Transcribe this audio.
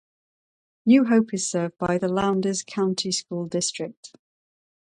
New Hope is served by the Lowndes County School District.